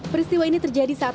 peristiwa ini terjadi saat